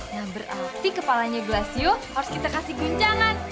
nah berarti kepalanya glasio harus kita kasih guncangan